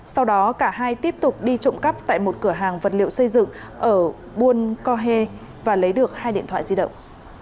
sau đó cả hai tiếp tục đi trộm cắp tại một cửa hàng vật liệu xây dựng ở buôn cohê và lấy được hai điện thoại di động